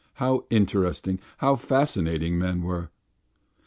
how interesting, how fascinating men were!